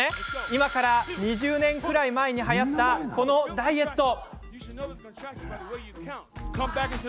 今から２０年くらい前にはやったこのダイエット。